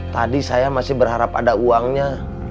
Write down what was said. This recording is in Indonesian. tadi saya masih berharap ada uangnya